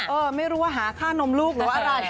เออไม่รู้ว่าหาค่านมลูกหรือว่าอะไรนะคะ